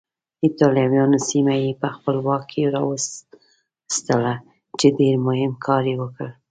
ایټالویانو سیمه یې په خپل واک کې راوستله چې ډېر مهم کار یې وکړ.